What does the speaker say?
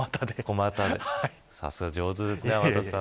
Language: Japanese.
さすが上手ですね、天達さん。